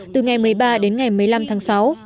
từ ngày một mươi ba đến ngày một mươi năm tháng sáu